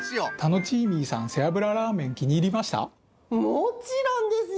もちろんですよ！